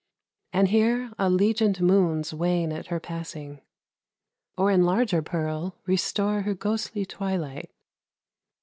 And here allegiant moons 90 MUSIC. Wane at her passing, or in larger pearl Restore her ghostly twilight.